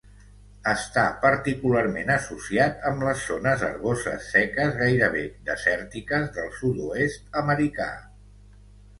Està particularment associat amb les zones herboses seques gairebé desèrtiques del sud-oest americà.